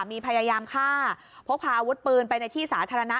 มีพยายามฆ่าพกพาอาวุธปืนไปในที่สาธารณะ